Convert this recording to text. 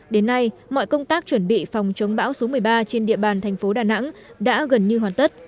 đến nay mọi công tác chuẩn bị phòng chống bão số một mươi ba trên địa bàn thành phố đà nẵng đã gần như hoàn tất